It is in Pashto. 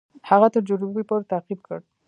هغه تر جروبي پوري تعقیب کړ.